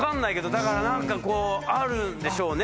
だから何かあるんでしょうね。